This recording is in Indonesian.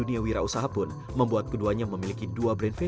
kira kira apa yang namanya yang unik gitu